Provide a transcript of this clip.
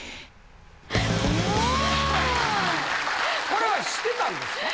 これは知ってたんですか？